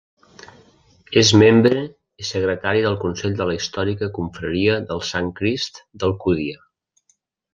És membre i secretari del consell de la històrica Confraria del Sant Crist d'Alcúdia.